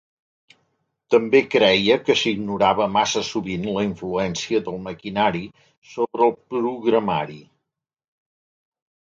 També creia que s'ignorava massa sovint la influència del maquinari sobre el programari.